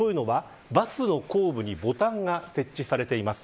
バスの後部にボタンが設置されています。